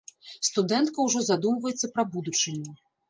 Студэнтка ўжо задумваецца пра будучыню.